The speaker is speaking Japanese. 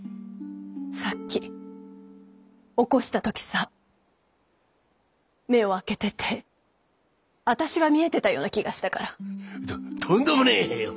さっき起こした時さ目を開けてて私が見えてたような気がしたから。ととんでもねえよ。